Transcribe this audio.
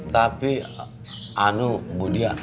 tapi anu bu dia